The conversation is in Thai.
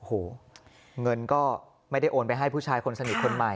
โอ้โหเงินก็ไม่ได้โอนไปให้ผู้ชายคนสนิทคนใหม่